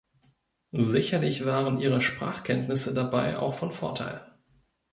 Sicherlich waren ihre Sprachkenntnisse dabei auch von Vorteil.